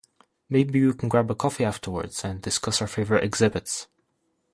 Maybe we can grab a coffee afterwards and discuss our favorite exhibits.